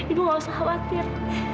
ibu gak usah khawatir